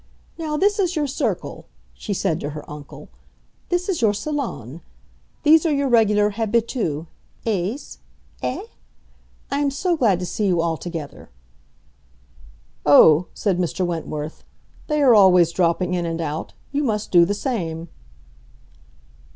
"Now this is your circle," she said to her uncle. "This is your salon. These are your regular habitués, eh? I am so glad to see you all together." "Oh," said Mr. Wentworth, "they are always dropping in and out. You must do the same."